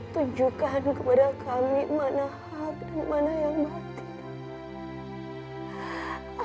tujukan kepada kami mana hak dan mana yang baik nita